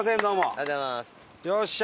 ありがとうございます。